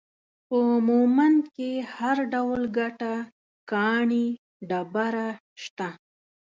په مومند کې هر ډول ګټه ، کاڼي ، ډبره، شته